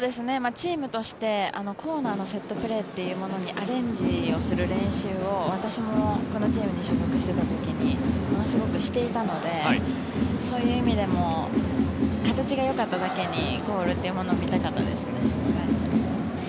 チームとしてコーナーのセットプレーというものにアレンジをする練習を私もこのチームに所属していた時にものすごくしていたのでそういう意味でも形がよかっただけにゴールというものを見たかったですね。